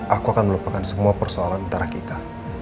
aku akan melupakan semua persoalan antara kita